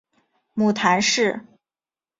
母谈氏。